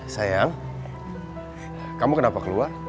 sayang kamu kenapa keluar